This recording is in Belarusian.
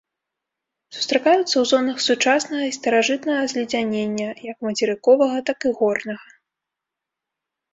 Сустракаюцца ў зонах сучаснага і старажытнага зледзянення, як мацерыковага, так і горнага.